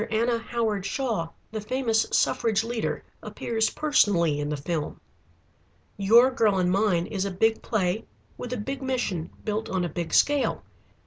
Anna Howard Shaw, the famous suffrage leader, appears personally in the film. "'Your Girl and Mine' is a big play with a big mission built on a big scale.